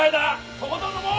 とことん飲もう！